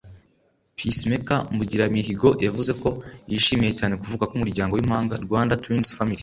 Peacemaker Mbungiramihigo yavuze ko yishimiye cyane kuvuka kw'umuryango w'impanga “Rwanda Twins Family”